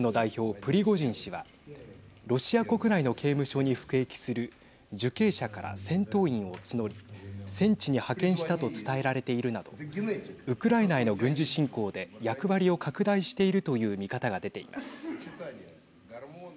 プリゴジン氏はロシア国内の刑務所に服役する受刑者から戦闘員を募り戦地に派遣したと伝えられているなどウクライナへの軍事侵攻で役割を拡大しているという見方が出ています。